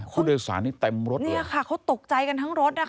ผู้โดยสารนี่เต็มรถเนี่ยค่ะเขาตกใจกันทั้งรถนะคะ